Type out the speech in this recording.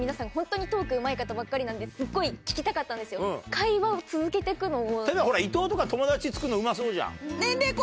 会話を続けてくのを。